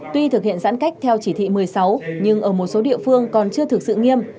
tuy thực hiện giãn cách theo chỉ thị một mươi sáu nhưng ở một số địa phương còn chưa thực sự nghiêm